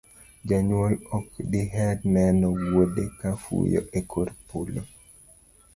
Janyuol ok diher neno wuode ka fuyo e kor polo,